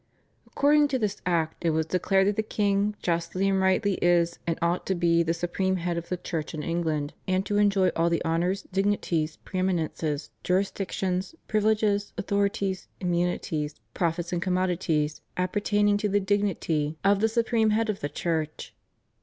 According to this Act it was declared that the king "justly and rightly is and ought to be the supreme head of the Church in England, and to enjoy all the honours, dignities, pre eminences, jurisdictions, privileges, authorities, immunities, profits and commodities" appertaining to the dignity of the supreme head of the Church.